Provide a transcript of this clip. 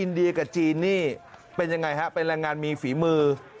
เดียกับจีนนี่เป็นยังไงฮะเป็นแรงงานมีฝีมือ